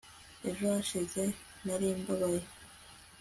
ejo hashize narimbabaye